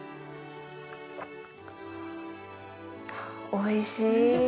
おいしい！